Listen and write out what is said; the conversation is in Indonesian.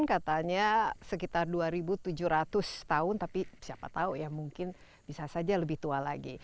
katanya sekitar dua tujuh ratus tahun tapi siapa tahu ya mungkin bisa saja lebih tua lagi